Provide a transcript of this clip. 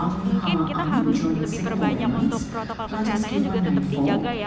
mungkin kita harus lebih perbanyak untuk protokol kesehatannya juga tetap dijaga ya